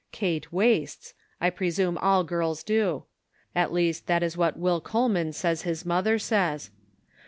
Kate wastes, I presume all girls do. At least that is what Will Coleman says his mother says.